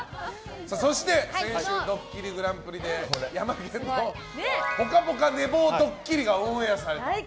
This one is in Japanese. そして、先週「ドッキリＧＰ」でヤマケンの「ぽかぽか」寝坊ドッキリがオンエアされた。